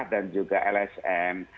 dan juga lsm